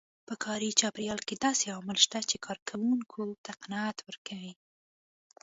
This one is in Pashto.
په کاري چاپېريال کې داسې عوامل شته چې کار کوونکو ته قناعت ورکوي.